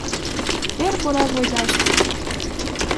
Бер буровойҙа эшләйҙәр.